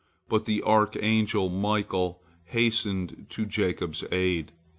But the archangel Michael hastened to Jacob's aid.